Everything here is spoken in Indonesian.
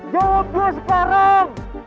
jawab gue sekarang